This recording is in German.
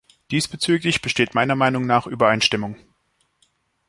Diesbezüglich besteht meiner Meinung nach Übereinstimmung.